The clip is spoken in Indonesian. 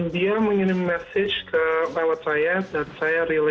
dia mengirim mesej ke lewat saya dan saya rilis